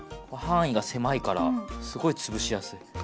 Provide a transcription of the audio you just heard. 範囲が狭いからすごい潰しやすい。